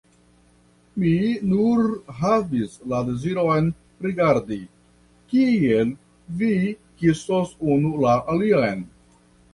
Mi nur havis la deziron rigardi, kiel vi kisos unu la alian.